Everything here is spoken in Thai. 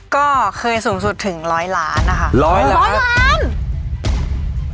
ก็เคยสูงสุดถึงร้อยล้านนะคะร้อยละร้อยล้าน